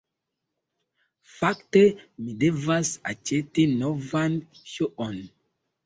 Fakte, mi devas aĉeti novan ŝuon